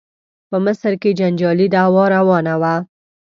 په مصر کې جنجالي دعوا روانه وه.